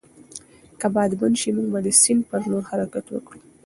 که باد بند شي، موږ به د سیند پر لور حرکت وکړو.